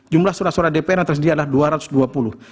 jumlah surat surat dpr yang tersedia adalah dua ratus dua puluh